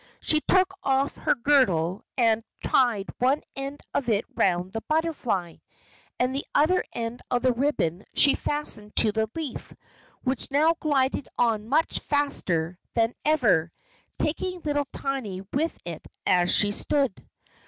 She took off her girdle and tied one end of it round the butterfly, and the other end of the ribbon she fastened to the leaf, which now glided on much faster than ever, taking little Tiny with it as she stood.